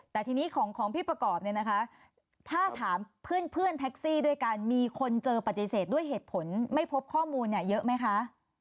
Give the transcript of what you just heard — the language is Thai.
แต่ทีนี้ของพี่ประกอบเนี่ยนะคะถ้าถามเพื่อนแท็กซี่ด้วยกันมีคนเจอปฏิเสธด้วยเหตุผลไม่พบข้อมูลเนี่ยเยอะไหมคะ